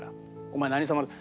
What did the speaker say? お前何様だ。